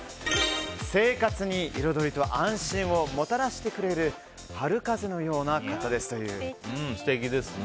生活に彩りと安心をもたらしてくれる素敵ですね。